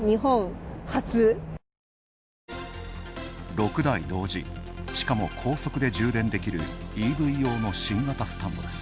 ６台同時、しかも高速で充電できるＥＶ用の新型スタンドです。